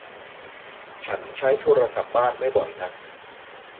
ฉันใช้โทรศัพท์บ้านไม่บ่อยนัก